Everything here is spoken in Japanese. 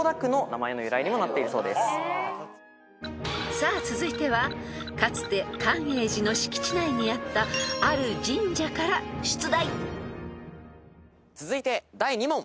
［さあ続いてはかつて寛永寺の敷地内にあったある神社から出題］続いて第２問。